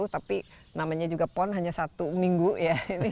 tapi namanya juga pon hanya satu minggu ya